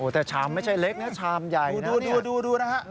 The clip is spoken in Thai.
แต่ชามไม่ใช่เล็กนะชามใหญ่ดูดูนะฮะ